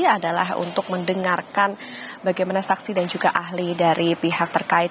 adalah untuk mendengarkan bagaimana saksi dan juga ahli dari pihak terkait